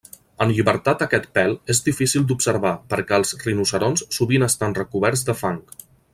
En llibertat aquest pèl és difícil d'observar perquè els rinoceronts sovint estan recoberts de fang.